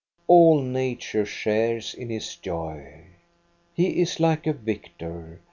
All nature shares in his joy. He is like a victor.